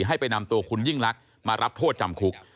ให้ไปนำตัวคุณยิ่งลักษณ์มารับโทษจำคุก